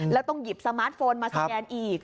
แล้วต้องหยิบสมาร์ทโฟนมาสแกนอีก